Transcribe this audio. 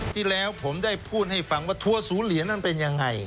ที่แล้วผมได้พูดให้ฟังว่าทัวร์ศูนย์เหรียญนั้นเป็นยังไง